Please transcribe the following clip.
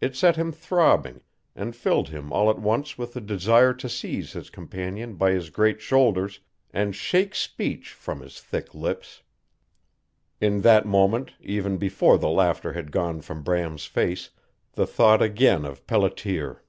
It set him throbbing, and filled him all at once with the desire to seize his companion by his great shoulders and shake speech from his thick lips. In that moment, even before the laughter had gone from Bram's face, he thought again of Pelletier.